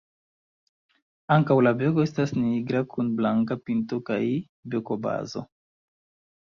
Ankaŭ la beko estas nigra kun blanka pinto kaj bekobazo.